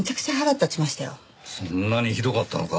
そんなにひどかったのか。